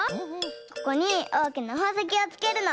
ここにおおきなほうせきをつけるの。